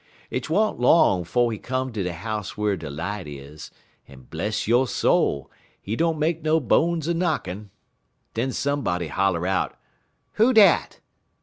'T wa'n't long 'fo' he come ter de house whar de light is, en, bless you soul, he don't make no bones er knockin'. Den somebody holler out: "'Who dat?'